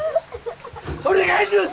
お願いします！